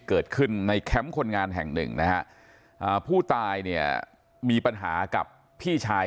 เกิดขึ้นในแคมป์คนงานแห่งหนึ่งนะฮะผู้ตายเนี่ยมีปัญหากับพี่ชาย